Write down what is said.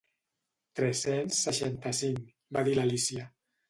"Tres-cents seixanta-cinc", va dir l'Alícia.